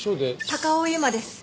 高尾由真です。